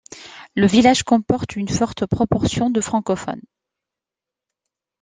Le village comporte une forte proportion de francophones.